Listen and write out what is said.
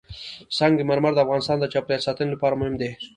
سنگ مرمر د افغانستان د چاپیریال ساتنې لپاره مهم دي.